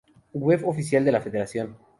Web oficial de la federación